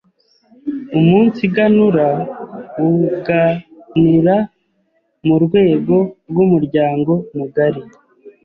Umunsiganura u g a n ura Mu rwego rw’umuryango mugari